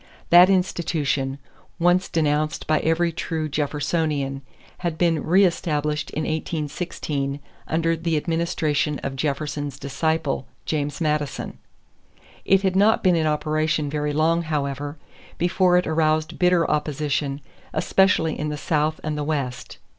That institution, once denounced by every true Jeffersonian, had been reëstablished in 1816 under the administration of Jefferson's disciple, James Madison. It had not been in operation very long, however, before it aroused bitter opposition, especially in the South and the West.